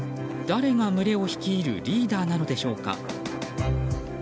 誰が群れを率いるリーダーなんでしょうか。